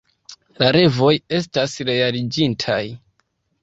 La revoj estas realiĝintaj.